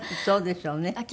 そうでしょうね。